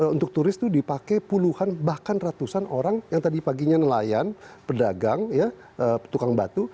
untuk turis itu dipakai puluhan bahkan ratusan orang yang tadi paginya nelayan pedagang tukang batu